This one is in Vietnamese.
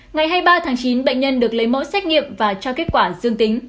ngày hai mươi ba tháng chín bệnh nhân được lấy mẫu xét nghiệm và cho kết quả dương tính